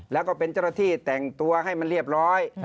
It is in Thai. แล้วก็เป็นเจ้าหน้าที่แต่งตัวให้มันเรียบร้อย